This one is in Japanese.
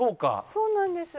そうなんです。